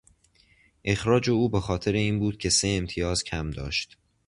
اخراج او به خاطر این بود که سه امتیاز کم داشت.